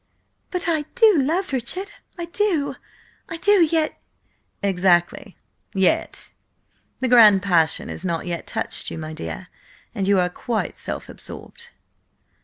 "But I do love Richard. I do, I do, yet—" "Exactly. 'Yet!' The 'grand passion' has not yet touched you, my dear, and you are quite self absorbed."